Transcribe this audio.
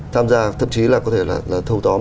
tham gia thậm chí là có thể là thâu tóm